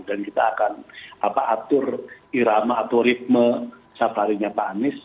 dan kita akan atur irama atau ritme saparinya pak anies